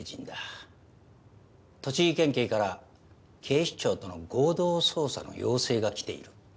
栃木県警から警視庁との合同捜査の要請が来ている。